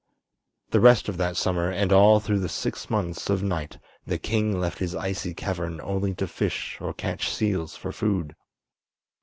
The rest of that summer and all through the six months of night the king left his icy cavern only to fish or catch seals for food.